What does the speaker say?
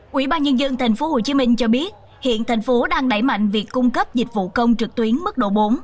quỹ ban nhân dân tp hcm cho biết hiện thành phố đang đẩy mạnh việc cung cấp dịch vụ công trực tuyến mức độ bốn